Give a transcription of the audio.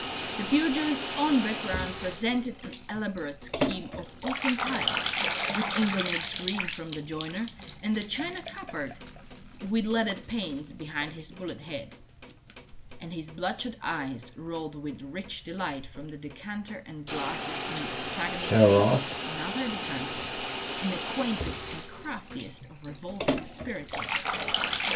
The pugilist's own background presented an elaborate scheme of oak and tiles, with inglenooks green from the joiner, and a china cupboard with leaded panes behind his bullet head. And his bloodshot eyes rolled with rich delight from the decanter and glasses on the octagonal table to another decanter in the quaintest and craftiest of revolving spirit tables.